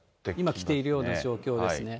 今、来ているような状況ですね。